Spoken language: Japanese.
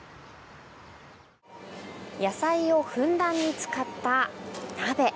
野菜をふんだんに使った鍋